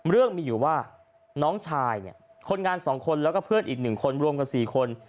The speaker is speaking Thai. เรื่องมีอยู่ว่าน้องชายเนี่ยคนงาน๒คนแล้วก็เพื่อนอีก๑คนรวมกัน๔คน